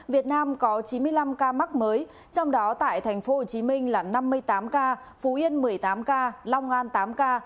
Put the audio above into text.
việt nam có chín mươi năm ca mắc mới trong đó tại tp hcm là năm mươi tám ca phú yên một mươi tám ca long an tám ca